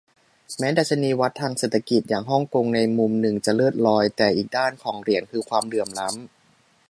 แม้ดัชนีชี้วัดทางเศรษฐกิจของฮ่องกงในมุมหนึ่งจะเลิศลอย แต่อีกด้านของเหรียญคือความเหลื่อมล้ำ